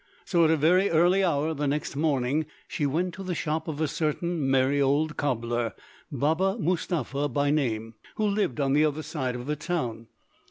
So at a very early hour the next morning she went to the shop of a certain merry old cobbler, Baba Mustapha by name, who lived on the other side of the town.